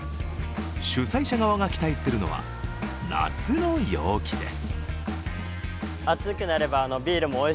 主催者側が期待するのは夏の陽気です。